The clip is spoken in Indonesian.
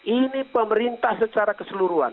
ini pemerintah secara keseluruhan